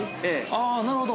◆あぁ、なるほど。